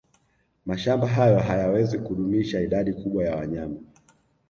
Mashamba hayo hayawezi kudumisha idadi kubwa ya wanyama